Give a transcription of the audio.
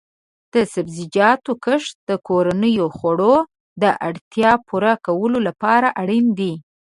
د سبزیجاتو کښت د کورنیو خوړو د اړتیا پوره کولو لپاره اړین دی.